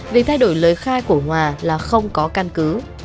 vì thay đổi lời khai của hòa là không có căn cứ